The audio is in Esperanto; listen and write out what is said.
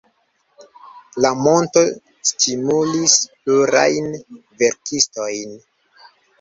La monto stimulis plurajn verkistojn.